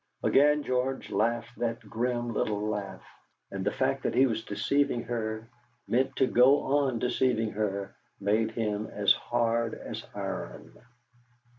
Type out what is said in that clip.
Again George laughed that grim little laugh. And the fact that he was deceiving her, meant to go on deceiving her, made him as hard as iron.